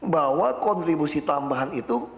bahwa kontribusi tambahan itu